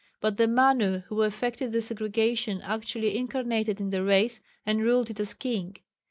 But the Manu who effected the segregation actually incarnated in the race and ruled it as king.